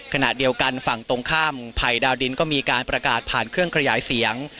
ขณะเดียวกันฝั่งตรงข้ามภัยดาวดินก็มีการประกาศผ่านเครื่องขยายเสียง